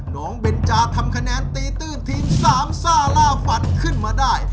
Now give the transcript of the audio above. น้องเบนจาทำคะแนนตี๔ทีม๓ซ่าล่าฝันขึ้นมาได้